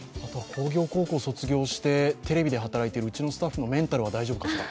工業高校卒業してテレビで働いているうちのスタッフのメンタルは大丈夫ですか？